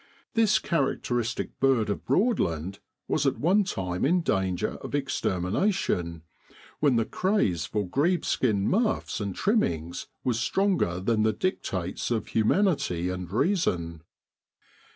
This characteristic bird of Broadland was at one time in danger of extermination, when the craze for grebe skin muffs and trimmings was stronger than the dictates of humanity and reason.